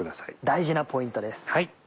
大事なポイントです。